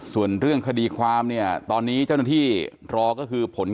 ส่วนเรื่องคดีความเนี่ยตอนนี้เจ้าหน้าที่รอก็คือผล